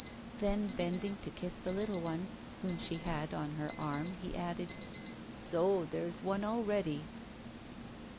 Then, bending to kiss the little one, whom she had on her arm, he added: 'So there's one already!